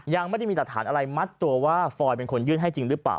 ยังไม่ได้มีหลักฐานอะไรมัดตัวว่าฟอยเป็นคนยื่นให้จริงหรือเปล่า